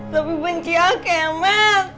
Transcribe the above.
tapi benci aku kemet